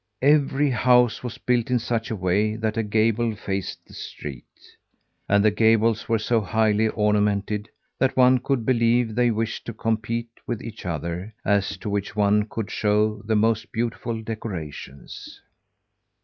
Every house was built in such a way that a gable faced the street. And the gables were so highly ornamented, that one could believe they wished to compete with each other as to which one could show the most beautiful decorations.